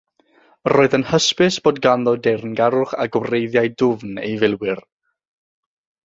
Roedd yn hysbys bod ganddo deyrngarwch "â gwreiddiau dwfn" ei filwyr.